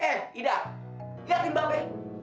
eh ida liatin mbak abe